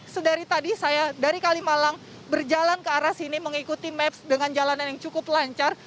sedari tadi saya dari kalimalang berjalan ke arah sini mengikuti maps dengan jalanan yang cukup lancar